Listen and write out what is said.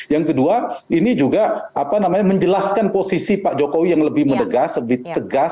yang kedua ini juga menjelaskan posisi pak jokowi yang lebih mendegas lebih tegas